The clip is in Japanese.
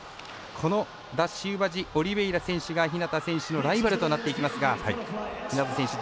このダシウバジオリベイラ選手が日向選手のライバルとなっていきますが日向選手